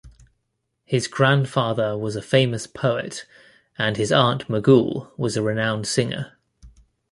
His grandfather was a famous poet, and his aunt Magool was a renowned singer.